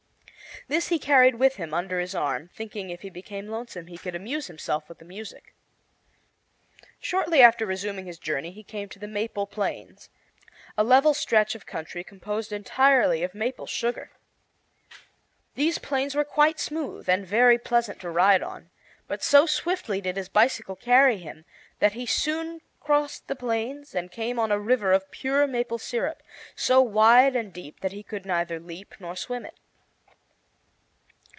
This he carried with him, under his arm, thinking if he became lonesome he could amuse himself with the music. Shortly after resuming his journey he came to the Maple Plains, a level stretch of country composed entirely of maple sugar. These plains were quite smooth, and very pleasant to ride on; but so swiftly did his bicycle carry him that he soon crossed the plains and came on a river of pure maple syrup, so wide and deep that he could neither leap nor swim it.